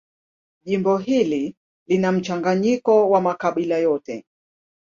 Jimbo hili lina mchanganyiko wa makabila yote.